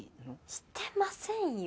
してませんよ。